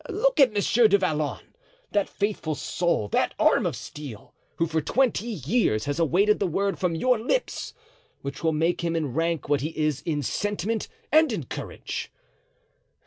Look at Monsieur du Vallon, that faithful soul, that arm of steel, who for twenty years has awaited the word from your lips which will make him in rank what he is in sentiment and in courage.